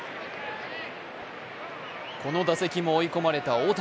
この打席も追い込まれた大谷。